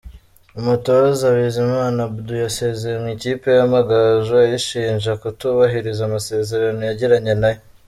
Umutoza Bizimana Abdou yasezeye mu ikipe y’Amagaju ayishinja kutubahiriza amasezerano yagiranye nayo.